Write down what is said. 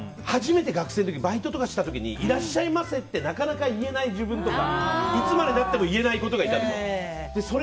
初めて学生の時バイトとかした時にいらっしゃいませってなかなか言えない自分とかいつまで経っても言えない子とかいたでしょ。